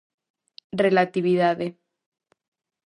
Relatividade.